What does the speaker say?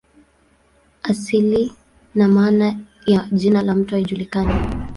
Asili na maana ya jina la mto haijulikani.